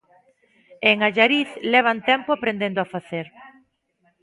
E en Allariz levan tempo aprendendo a facer.